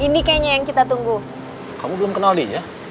nah beritahu saya nanti mau ke empat m penerbitnya